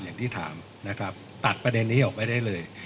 อย่างที่ถามนะครับตัดประเด็นนี้ออกไปได้เลย